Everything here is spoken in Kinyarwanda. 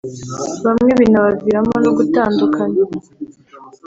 bamwe binabaviramo no gutandukana